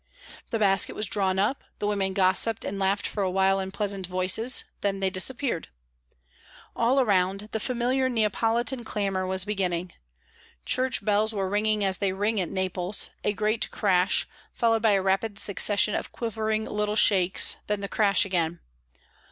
The basket was drawn up, the women gossiped and laughed for a while in pleasant voices, then they disappeared. All around, the familiar Neapolitan clamour was beginning. Church bells were ringing as they ring at Naples a great crash, followed by a rapid succession of quivering little shakes, then the crash again.